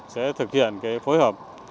sẽ thực hiện cái phối hợp